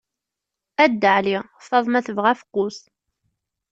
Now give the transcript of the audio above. A Dda Ɛli! Faḍma tebɣa afeqqus.